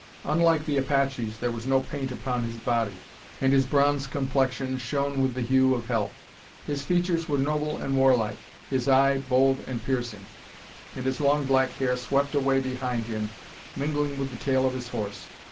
Unlike the Apaches, there was no paint upon his body, and his bronze complexion shone with the hue of health. His features were noble and warlike, his eye bold and piercing, and his long black hair swept away behind him, mingling with the tail of his horse.